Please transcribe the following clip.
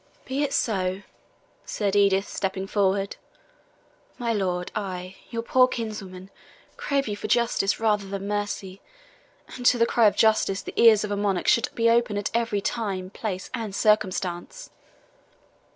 "Be it so," said Edith, stepping forward. "My lord, I, your poor kinswoman, crave you for justice rather than mercy; and to the cry of justice the ears of a monarch should be open at every time, place, and circumstance."